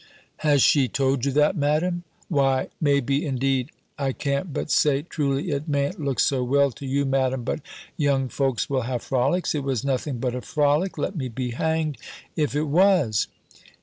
"Has she told you that, Madam? Why, may be indeed I can't but say Truly, it mayn't look so well to you, Madam: but young folks will have frolics. It was nothing but a frolic. Let me be hanged, if it was!"